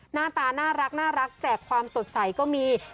หน้าตาน่ารักแจกความสดใสก็มี